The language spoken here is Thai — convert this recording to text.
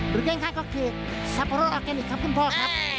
หรือเป็นไงก็คือซาโพร่อออร์แกนิคครับคุณพ่อครับ